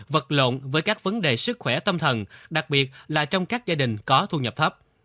vật lộn với các vấn đề sức khỏe tâm thần đặc biệt là trong các gia đình có thu nhập thấp